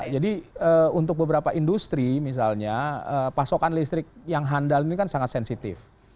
jadi untuk beberapa industri misalnya pasokan listrik yang handal ini kan sangat sensitif